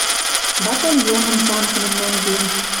Батальоным танкыным нӓнген.